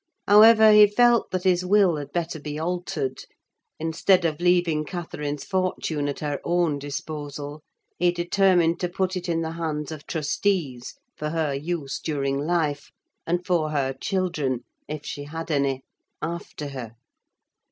However, he felt that his will had better be altered: instead of leaving Catherine's fortune at her own disposal, he determined to put it in the hands of trustees for her use during life, and for her children, if she had any, after her.